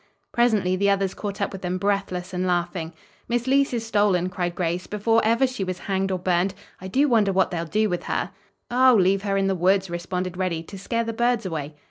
Presently the others caught up with them, breathless and laughing. "Miss Leece is stolen," cried Grace, "before ever she was hanged or burned. I do wonder what they'll do with her." "Oh, leave her in the woods," responded Reddy, "to scare the birds away."